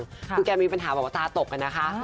คือแกมีปัญหาแบบว่าตาตกอะนะคะ